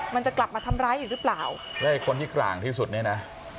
มันจะกลับมาทำร้ายอีกหรือเปล่าแล้วไอ้คนที่กลางที่สุดเนี่ยนะ